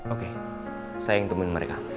oke saya yang temuin mereka